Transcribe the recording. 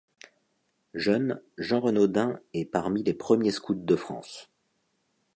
Jeune, Jean Renaudin est parmi les premiers scouts de France.